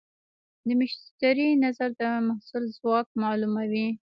د مشتری نظر د محصول ځواک معلوموي.